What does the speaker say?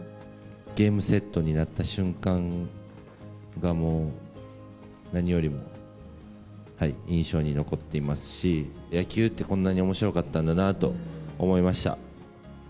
ゲームセットになった瞬間がもう何よりも印象に残っていますし、野球って、こんなにおもしろかったんだなと思いました。